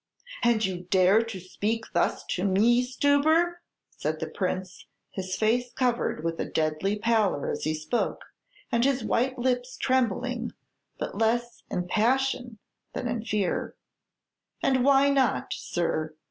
"And you dare to speak thus to me, Stubber!" said the Prince, his face covered with a deadly pallor as he spoke, and his white lips trembling, but less in passion than in fear. "And why not, sir?